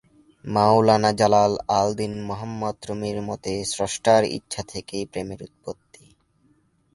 মাওলানা Jalal al-Din Muhammad রুমির মতে স্রষ্টার ইচ্ছা থেকেই প্রেমের উৎপত্তি।